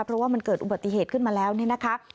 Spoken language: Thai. เพราะว่ามันเกิดอุบัติเหตุขึ้นมาแล้วเนี่ยนะคะ